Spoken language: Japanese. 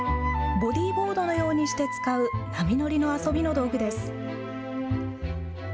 ボディーボードのようにして使う波乗りの遊びの道具です。